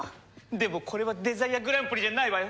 でもこれはデザイアグランプリじゃないわよ。